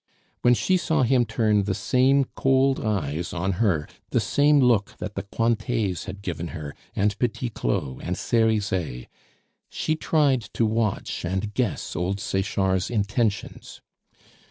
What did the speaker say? When she saw him turn the same cold eyes on her, the same look that the Cointets had given her, and Petit Claud and Cerizet, she tried to watch and guess old Sechard's intentions.